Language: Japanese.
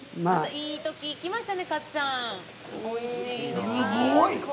いいときに行きましたね、かっちゃん。